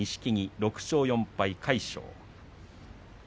６勝４敗魁勝。